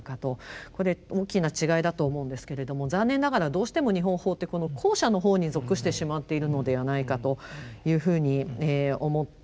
これ大きな違いだと思うんですけれども残念ながらどうしても日本法ってこの後者の方に属してしまっているのではないかというふうに思っています。